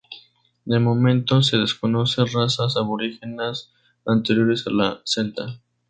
De momento se desconoce razas aborígenes anteriores a la celta.